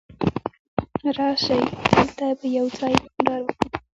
راسئ! دلته به یوځای بانډار وکو.